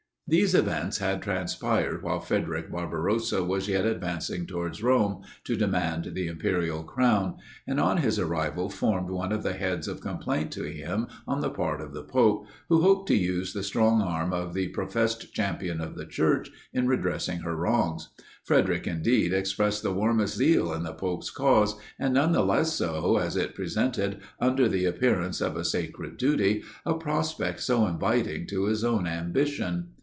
These events had transpired while Frederic Barbarossa was yet advancing towards Rome, to demand the imperial crown, and on his arrival formed one of the heads of complaint to him on the part of the pope, who hoped to use the strong arm of the professed champion of the Church in redressing her wrongs. Frederic, indeed, expressed the warmest zeal in the pope's cause, and, none the less so, as it presented, under the appearance of a sacred duty, a prospect so inviting to his own ambition.